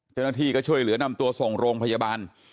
เจ้าหน้าที่ก็ช่วยเหลือนำตัวส่งโรงพยาบาล